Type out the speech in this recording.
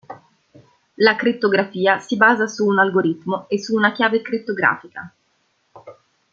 La crittografia si basa su un algoritmo e su una chiave crittografica.